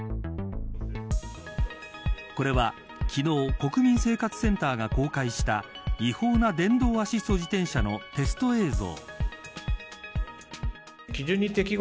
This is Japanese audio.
これは昨日国民生活センターが公開した違法な電動アシスト自転車のテスト映像。